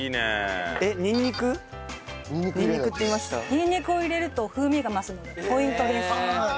にんにくを入れると風味が増すのでポイントです。